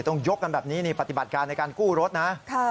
ต้องยกกันแบบนี้นี่ปฏิบัติการในการกู้รถนะ